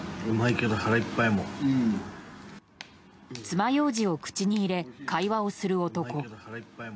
つまようじを口に入れ会話をする男。